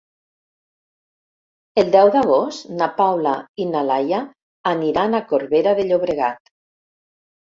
El deu d'agost na Paula i na Laia aniran a Corbera de Llobregat.